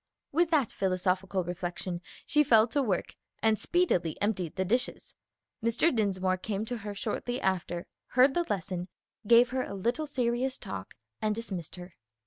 With that philosophical reflection she fell to work, and speedily emptied the dishes. Mr. Dinsmore came to her shortly after, heard the lesson, gave her a little serious talk and dismissed her.